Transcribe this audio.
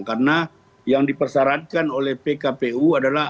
karena yang dipersyaratkan oleh pkpu adalah